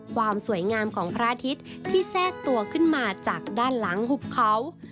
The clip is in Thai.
ความสวยงามของพระอาทิตย์ที่แทรกตัวขึ้นมาจากด้านหลังหุบเขา